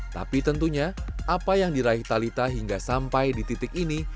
tapi tentunya apa yang diraih talitha hingga sampai di titik ini